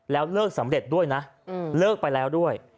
แล้วเลิกสำเร็จด้วยนะเลิกไปแล้วด้วย